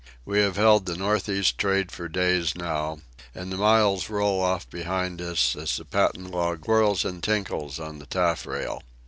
We have held the north east trade for days now, and the miles roll off behind us as the patent log whirls and tinkles on the taffrail.